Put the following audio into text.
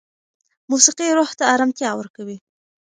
موسیقي روح ته ارامتیا ورکوي.